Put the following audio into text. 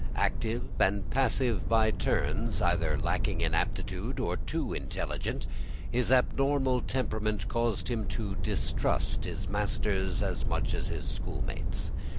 Active and passive by turns, either lacking in aptitude, or too intelligent, his abnormal temperament caused him to distrust his masters as much as his schoolmates.